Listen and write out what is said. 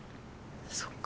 そっか。